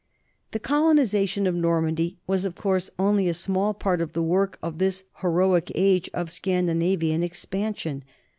The colonization of Normandy was, of course, only a small part of the work of this heroic age of Scandina vian expansion.